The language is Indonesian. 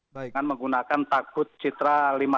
dengan menggunakan takut citra lima puluh sembilan